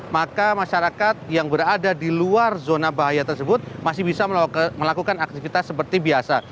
maka masyarakat yang berada di luar zona bahaya tersebut masih bisa melakukan aktivitas seperti biasa